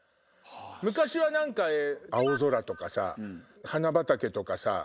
昔は青空とかさ花畑とかさ。